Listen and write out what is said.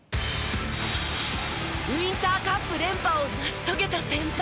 ウインターカップ連覇を成し遂げた先輩。